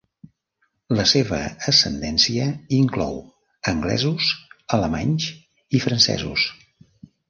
La seva ascendència inclou anglesos, alemanys i francesos.